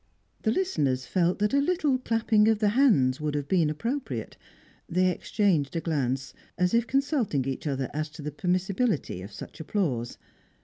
The listeners felt that a little clapping of the hands would have been appropriate; they exchanged a glance, as if consulting each other as to the permissibility of such applause.